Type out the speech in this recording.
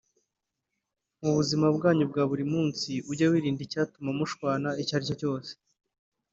Mu buzima bwanyu bwa buri munsi ujye wirinda icyatuma mushwana icyo aricyo cyose